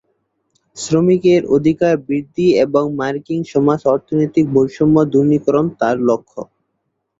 শ্রমিকের অধিকার বৃদ্ধি এবং মার্কিন সমাজের অর্থনৈতিক বৈষম্য দূরীকরণ তার লক্ষ্য।